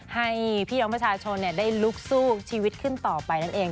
ให้พี่น้องประชาชนได้ลุกสู้ชีวิตขึ้นต่อไปนั่นเอง